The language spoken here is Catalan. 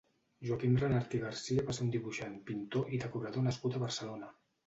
Joaquim Renart i Garcia va ser un dibuixant, pintor i decorador nascut a Barcelona.